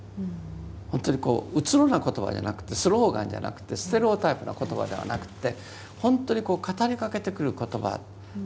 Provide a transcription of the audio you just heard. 本当にうつろな言葉じゃなくてスローガンじゃなくてステレオタイプな言葉ではなくって本当にこう語りかけてくる言葉。